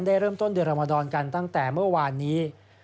ได้เริ่มต้นเดือนรมดรกันตั้งแต่เมื่อวานนี้